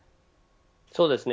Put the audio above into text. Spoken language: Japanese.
そうですね。